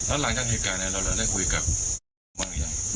แล้วหลังจากเหตุการณ์นั้นเราได้คุยกับ